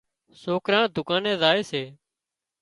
سوڪران دُڪاني زائي سي